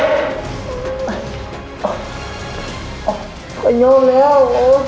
ไม่ยอมแล้ว